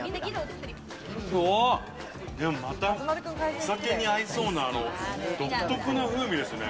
お酒に合いそうな独特な風味ですね。